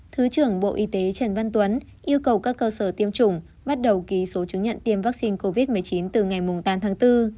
thứ trưởng bộ y tế trần văn tuấn yêu cầu các cơ sở tiêm chủng bắt đầu ký số chứng nhận tiêm vaccine covid một mươi chín từ ngày tám tháng bốn